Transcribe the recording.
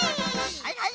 はいはい。